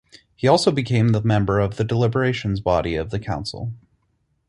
He also became the member of the deliberations body of the council.